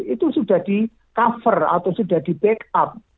itu sudah di cover atau sudah di backup